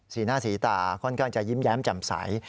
สีหน้าสีตาค่อนข้างจะยิ้มแย้มแจ่มใส